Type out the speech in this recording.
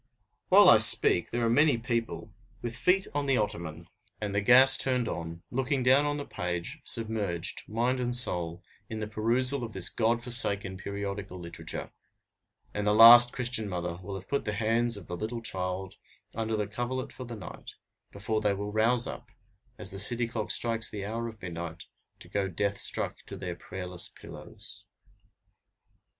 While I speak, there are many people, with feet on the ottoman, and the gas turned on, looking down on the page, submerged, mind and soul, in the perusal of this God forsaken periodical literature; and the last Christian mother will have put the hands of the little child under the coverlet for the night, before they will rouse up, as the city clock strikes the hour of midnight, to go death struck to their prayerless pillows.